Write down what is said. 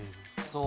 そう。